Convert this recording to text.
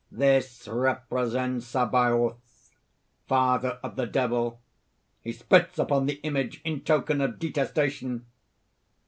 This represents Sabaoth, father of the Devil. He spits upon the image in token of detestation.